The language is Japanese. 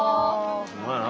ほんまやな。